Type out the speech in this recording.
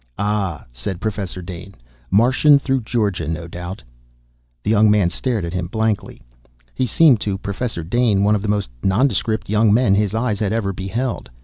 "Ah," said Professor Dane. "Martian through Georgia, no doubt." The young man stared at him blankly. He seemed to Professor Dane one of the most nondescript young men his eyes had ever beheld.